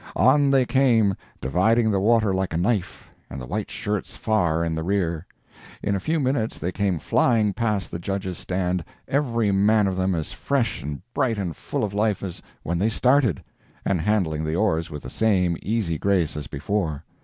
On they came, dividing the water like a knife, and the white shirts far in the rear. In a few minutes they came flying past the judge's stand, every man of them as fresh and bright and full of life as when they started, and handling the oars with the same easy grace as before.